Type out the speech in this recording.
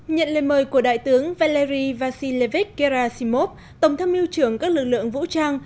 nhận lời mời của đại tướng valery vasilevich gerasimov tổng tham mưu trưởng các lực lượng vũ trang